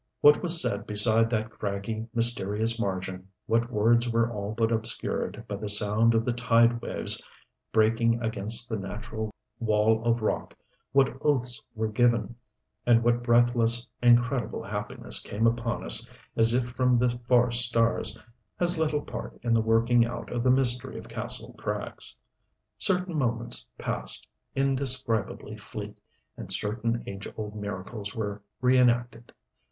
What was said beside that craggy, mysterious margin, what words were all but obscured by the sound of the tide waves breaking against the natural wall of rock, what oaths were given, and what breathless, incredible happiness came upon us as if from the far stars, has little part in the working out of the mystery of Kastle Krags. Certain moments passed, indescribably fleet, and certain age old miracles were reënacted.